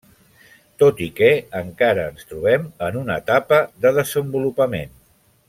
Tot i que encara ens trobem en una etapa de desenvolupament.